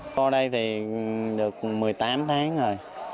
vô đây thì được một mươi tám tháng rồi